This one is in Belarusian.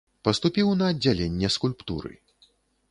Паступіў на аддзяленне скульптуры.